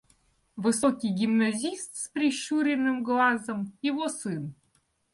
Высокий гимназист с прищуренным глазом — его сын.